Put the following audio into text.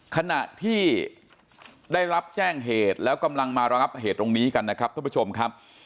ขณะที่ได้รับแจ้งเหตุแล้วกำลังมาระงับเหตุตรงนี้กันนะครับท่านผู้ชมครับ